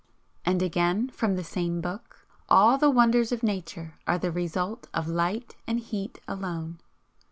And again, from the same book: "All the wonders of Nature are the result of LIGHT AND HEAT ALONE."